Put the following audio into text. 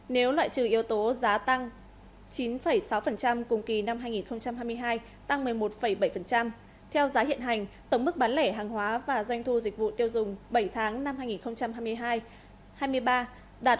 đơn cử nhóm hàng lương thực thực phẩm tăng một mươi hai chín doanh thu dịch vụ lưu trú ăn uống bảy tháng năm hai nghìn hai mươi ba ước đạt bảy bảy